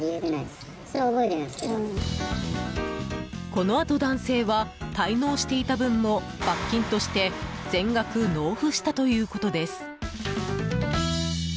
このあと、男性は滞納していた分も罰金として全額納付したということです。